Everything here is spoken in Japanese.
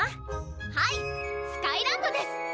はいスカイランドです！